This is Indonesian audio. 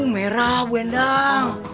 merah bu benang